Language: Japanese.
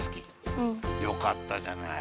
うん。よかったじゃない。